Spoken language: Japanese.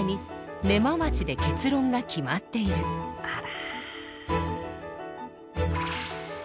あら。